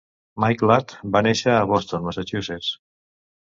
Mike Ladd va néixer a Boston, Massachusetts.